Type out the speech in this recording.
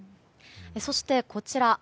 そして、こちら。